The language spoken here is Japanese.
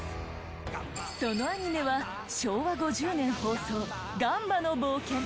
そのアニメは昭和５０年放送『ガンバの冒険』。